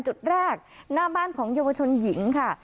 จุดแรกหน้าบ้านของเยาวชนหญิงค่ะ